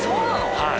はい。